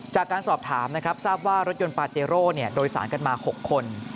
จากการสอบถามนะครับทราบว่ารถยนต์ปาเจโร่โดยสารกันมา๖คน